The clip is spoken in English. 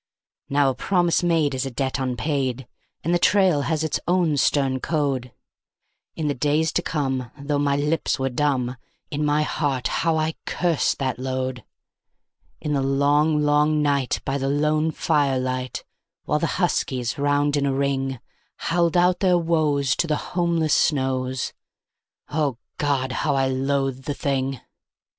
Now a promise made is a debt unpaid, and the trail has its own stern code. In the days to come, though my lips were dumb, in my heart how I cursed that load. In the long, long night, by the lone firelight, while the huskies, round in a ring, Howled out their woes to the homeless snows O God! how I loathed the thing.